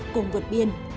cùng vượt biên